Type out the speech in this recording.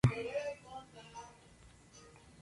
así nos alejamos de la dañina definición del Genio